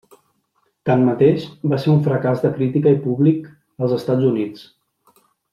Tanmateix, va ser un fracàs de crítica i públic als Estats Units.